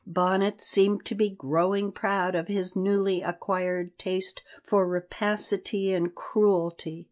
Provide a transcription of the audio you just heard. Bonnet seemed to be growing proud of his newly acquired taste for rapacity and cruelty.